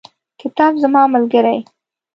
کتاب زما ملګری.